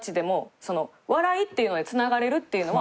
その笑いっていうので繋がれるっていうのは。